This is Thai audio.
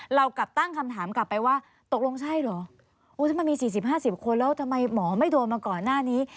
เรากลับตั้งคำถามกลับไปว่าตกลงใช่เหรอถ้ามันมี๔๐๕๐คนแล้วทำไมหมอไม่โดนมาก่อนหน้านี้